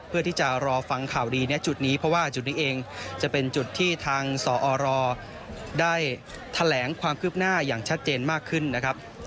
เพื่อที่จะรอฟังข่าวดีในจุดนี้เพราะว่าจุดนี้เองจะเป็นจุดที่ทางสอรได้แถลงความคืบหน้าอย่างชัดเจนมากขึ้นนะครับ